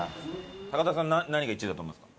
高田さん何が１位だと思いますか？